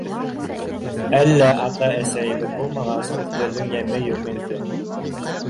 Әллә ата-әсәйебеҙ булмағас, өҫтәлдең йәме юҡ инде.